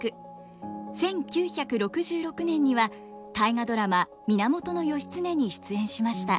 １９６６年には「大河ドラマ源義経」に出演しました。